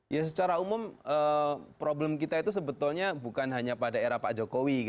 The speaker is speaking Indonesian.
ya secara umum problem kita itu sebetulnya bukan hanya pada era pak jokowi